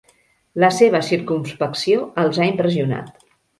La seva circumspecció els ha impressionat.